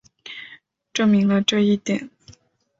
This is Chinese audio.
证明了这一点。